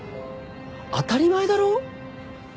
当たり前だろ。